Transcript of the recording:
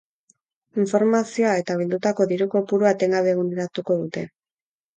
Informazioa eta bildutako diru-kopurua etengabe eguneratuko dute.